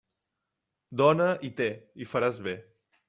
Dóna i té, i faràs bé.